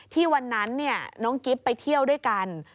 วันนั้นน้องกิ๊บไปเที่ยวด้วยกัน